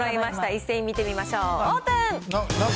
一斉に見てみましょう、オープン。